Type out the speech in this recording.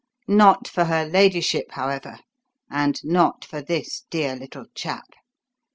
Not for her ladyship, however, and not for this dear little chap.